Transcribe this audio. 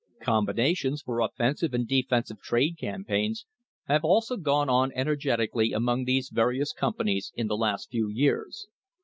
Combinations for offensive and defensive trade campaigns have also gone on energetically among these various companies in the last few years.